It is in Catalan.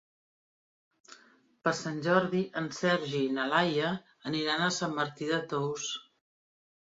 Per Sant Jordi en Sergi i na Laia aniran a Sant Martí de Tous.